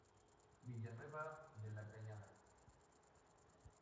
Villanueva de la cañada.